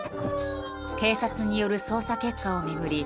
警察による捜査結果を巡り